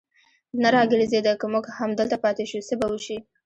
نه را ګرځېده، که موږ همدلته پاتې شو، څه به وشي.